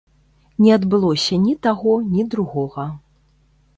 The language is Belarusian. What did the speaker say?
Не адбылося ні таго, ні другога.